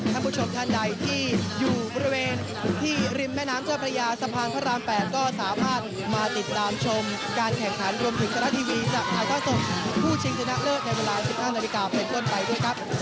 ท่านผู้ชมท่านใดที่อยู่บริเวณที่ริมแม่น้ำเจ้าพระยาสะพานพระราม๘ก็สามารถมาติดตามชมการแข่งขันรวมถึงทะละทีวีจะถ่ายท่อสดผู้ชิงชนะเลิศในเวลา๑๕นาฬิกาเป็นต้นไปด้วยครับ